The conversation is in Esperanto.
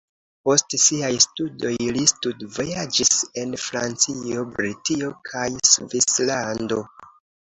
Post siaj studoj li studvojaĝis en Francio, Britio kaj Svislando.